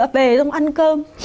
về xong ăn cơm